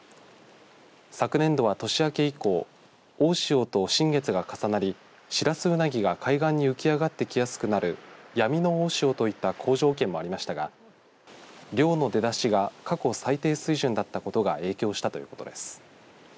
昨年度は、年明け以降大潮と新月が重なりシラスウナギが海岸に浮き上がってきやすくなる闇の大潮という好条件もありますが漁の出だしが過去最低水準だったことが影響したということです。